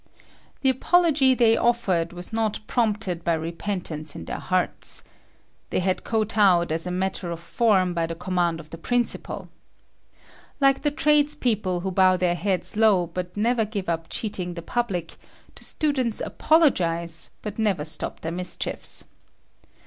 The apology they offered was not prompted by repentance in their hearts. They had kowtowed as a matter of form by the command of the principal. Like the tradespeople who bow their heads low but never give up cheating the public, the students apologize but never stop their mischiefs.